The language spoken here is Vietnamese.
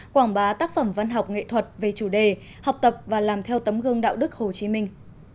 quảng bá tác phẩm văn học nghệ thuật về chủ đề học tập và làm theo tấm gương đạo đức hồ chí minh